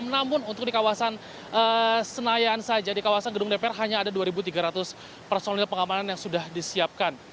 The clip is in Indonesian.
namun untuk di kawasan senayan saja di kawasan gedung dpr hanya ada dua tiga ratus personil pengamanan yang sudah disiapkan